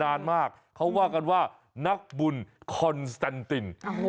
นานมากเขาว่ากันว่านักบุญคอนสแตนติน